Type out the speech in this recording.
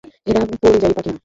এরা পরিযায়ী পাখি না।